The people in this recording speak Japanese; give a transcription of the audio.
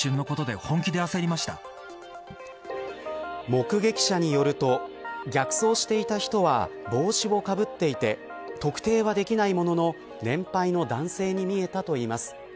目撃者によると逆走していた人は帽子をかぶっていて特定はできないものの年配の男性に見えたといいます。